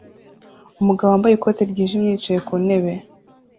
Umugabo wambaye ikoti ryijimye yicaye ku ntebe